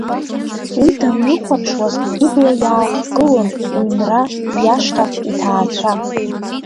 Уи данлыхәаԥшуаз, ибла иаахгылон иҩнра, иашҭа, иҭаацәа.